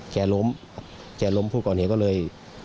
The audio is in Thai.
แกล้มพวกรเหตุก็เลย